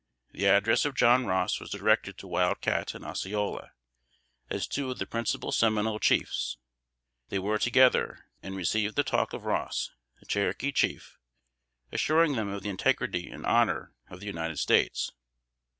The address of John Ross was directed to Wild Cat and Osceola, as two of the principal Seminole chiefs. They were together, and received the talk of Ross, the Cherokee chief, assuring them of the integrity and honor of the United States.